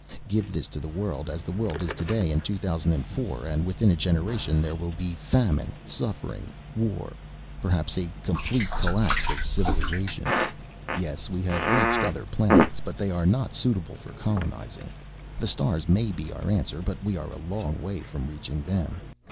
"Give this to the world, as the world is today in 2004, and within a generation there will be famine, suffering, war. Perhaps a complete collapse of civilization. "Yes, we have reached other planets, but they are not suitable for colonizing. The stars may be our answer, but we are a long way from reaching them.